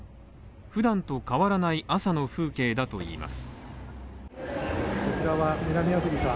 普段と変わらない朝の風景だといいます。